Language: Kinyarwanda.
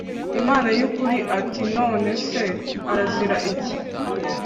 imana y ukuri ati none se arazira iki